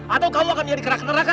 atau kamu akan menjadi kerak keraka